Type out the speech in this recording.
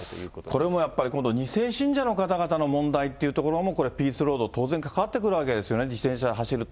これもやっぱり、今度２世信者の方々の問題っていうところも、これ、ピースロード、当然関わってくるわけですよね。